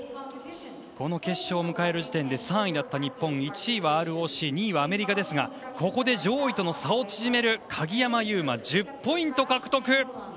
この決勝を迎える地点で３位だった日本１位はＲＯＣ２位はアメリカでしたがここで上位との差を縮める鍵山優真の１０ポイント